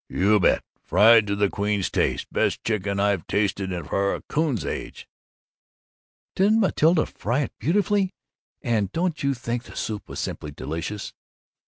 "You bet! Fried to the Queen's taste. Best fried chicken I've tasted for a coon's age." "Didn't Matilda fry it beautifully! And don't you think the soup was simply delicious?"